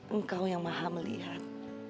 engkau yang maha melihat